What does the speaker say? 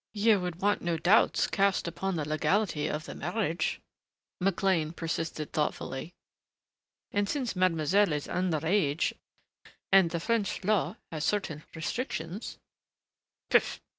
"You would want no doubts cast upon the legality of the marriage," McLean persisted thoughtfully, "and since mademoiselle is under age and the French law has certain restrictions " "Pff!